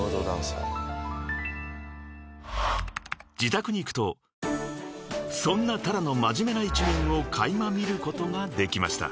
［自宅に行くとそんなＴａｒａの真面目な一面を垣間見ることができました］